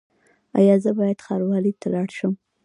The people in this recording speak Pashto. ایا زه باید ښاروالۍ ته لاړ شم؟